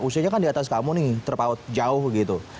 usianya kan di atas kamu nih terpaut jauh gitu